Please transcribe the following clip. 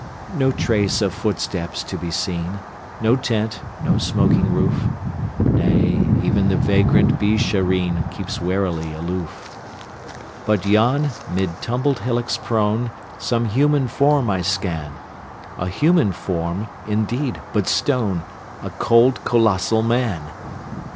No trace of footsteps to be seen, No tent, no smoking roof; Nay, even the vagrant Beeshareen Keeps warily aloof. But yon, mid tumbled hillocks prone, Some human form I scan A human form, indeed, but stone: A cold, colossal Man!